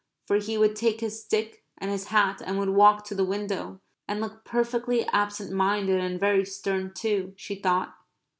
For he would take his stick and his hat and would walk to the window, and look perfectly absent minded and very stern too, she thought.